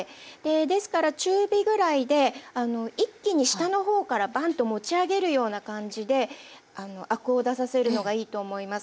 ですから中火ぐらいで一気に下の方からバンッと持ち上げるような感じでアクを出させるのがいいと思います。